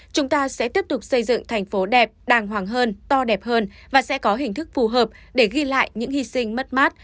chúng ta sẽ tiếp tục xây dựng thành phố đẹp đàng hoàng hơn to đẹp hơn và sẽ có hình thức phù hợp để ghi lại những hy sinh mất mát